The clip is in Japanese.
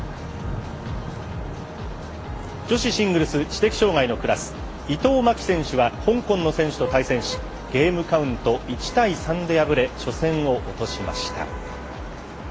女子シングルス知的障がいのクラス伊藤槙紀選手は香港の選手と対戦しゲームカウント１対３で敗れ初戦を落としました。